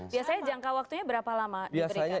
biasanya jangka waktunya berapa lama diberikan